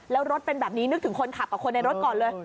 แล้วรถเป็นแบบนี้นึกถึงคนขับกับคนในรถก่อนเลย